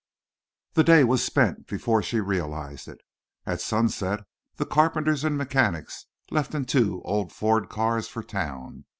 The day was spent before she realized it. At sunset the carpenters and mechanics left in two old Ford cars for town.